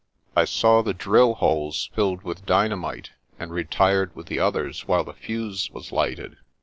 I saw the drill holes filled with dynamite, and retired with the others while the fuse was lighted.